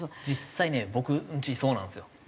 実際ね僕んちそうなんですよ。